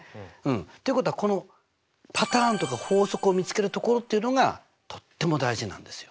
っていうことはこのパターンとか法則を見つけるところっていうのがとっても大事なんですよ。